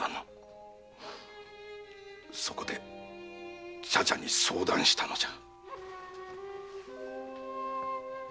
そこで茶々に相談したのじゃ。